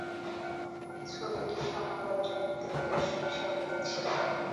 ছবিটি সমালোচকদের প্রশংসা পেয়েছিল।